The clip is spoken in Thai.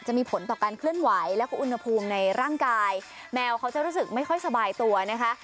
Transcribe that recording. จะมีผลต่อการเคลื่อนไหวแล้วก็อุณหภูมิในร่างกายแมวเขาจะรู้สึกไม่ค่อยสบายตัวนะคะ